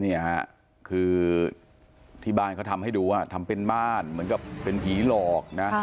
นี่ฮะคือที่บ้านเขาทำให้ดูว่าทำเป็นม่านเหมือนกับเป็นผีหลอกนะ